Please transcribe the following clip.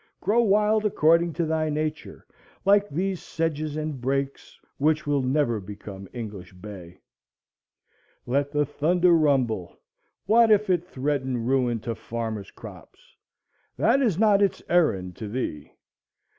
Grow wild according to thy nature, like these sedges and brakes, which will never become English hay. Let the thunder rumble; what if it threaten ruin to farmers' crops? that is not its errand to thee.